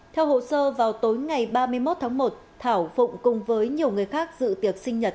theo hồ sơ vào tối ngày ba mươi một tháng một thảo phụng cùng với nhiều người khác dự tiệc sinh nhật